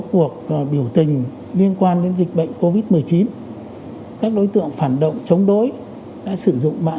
cuộc biểu tình liên quan đến dịch bệnh covid một mươi chín các đối tượng phản động chống đối đã sử dụng mạng